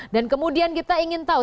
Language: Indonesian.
dan kemudian kita ingin tahu